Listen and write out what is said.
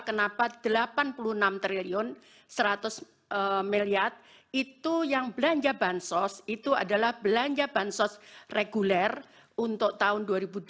kenapa rp delapan puluh enam seratus itu yang belanja bantuan sosial itu adalah belanja bantuan sosial reguler untuk tahun dua ribu dua puluh tiga